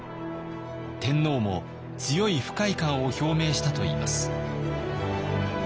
天皇も強い不快感を表明したといいます。